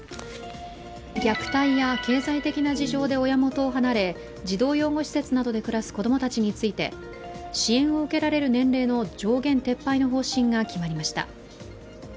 虐待や経済的な事情で親元を離れ、児童養護施設などで暮らす子供たちについて支援を受けられる年齢の上限撤廃の方針が決まりました。